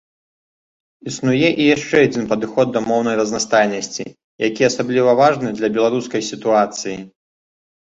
Існуе і яшчэ адзін падыход да моўнай разнастайнасці, які асабліва важны для беларускай сітуацыі.